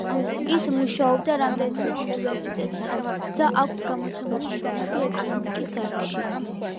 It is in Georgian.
ის მუშაობდა რამდენიმე უნივერსიტეტთან და აქვს გამოცემული შრომები ეკონომიკის დარგში.